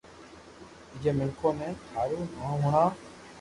ٻيجو مينکو ني ٿارو نوم ھڻاو